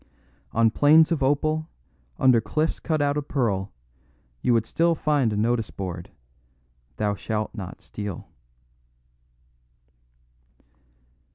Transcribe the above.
On plains of opal, under cliffs cut out of pearl, you would still find a notice board, 'Thou shalt not steal.